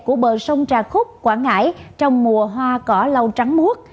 của bờ sông trà khúc quảng ngãi trong mùa hoa cỏ lau trắng muốt